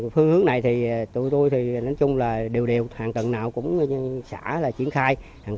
tương hướng này thì tụi tôi thì nói chung là điều điều hàng tuần nào cũng xã là triển khai hàng